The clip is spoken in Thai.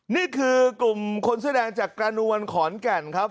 นี่คือกลุ่มคนแสดงจากการวืนะหวานขวนแก่นครับ